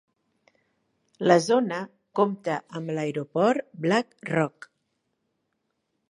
La zona compta amb l'aeroport Black Rock.